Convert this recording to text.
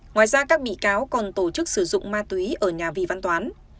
ngoài ra các bị cáo còn tổ chức sử dụng ma túy ở nhà vị văn toán